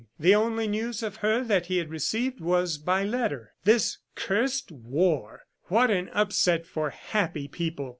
The only news of her that he had received was by letter. ... This cursed war! What an upset for happy people!